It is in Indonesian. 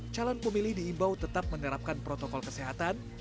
calon pemilih diimbau tetap menerapkan protokol kesehatan di tps